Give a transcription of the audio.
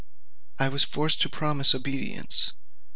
I was forced to promise obedience.